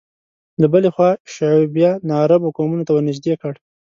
له بلې خوا شعوبیه ناعربو قومونو ته ورنژدې کړ